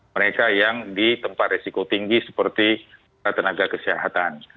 mereka yang di tempat resiko tinggi seperti tenaga kesehatan